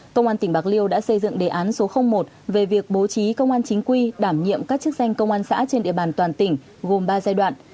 công an tỉnh bạc liêu đã xây dựng đề án số một về việc bố trí công an chính quy đảm nhiệm các chức danh công an xã trên địa bàn toàn tỉnh gồm ba giai đoạn